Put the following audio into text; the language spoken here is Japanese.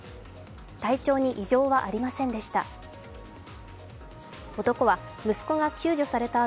体調に異常はありませんでした。